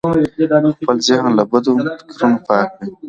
خپل ذهن له بدو فکرونو پاک کړئ.